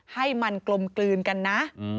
ให้มันกลมกลืนกันนะ